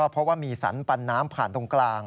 เพราะว่ามีสรรปันน้ำผ่านตรงกลาง